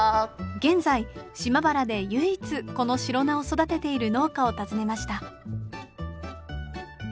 現在島原で唯一このシロナを育てている農家を訪ねました。